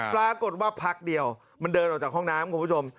ปรากฏว่าพักเดียวมันเดินออกจากห้องน้ำคุณผู้ชม